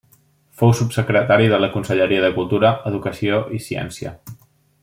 Fou subsecretari de la Conselleria de Cultura, Educació i Ciència.